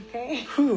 ふう。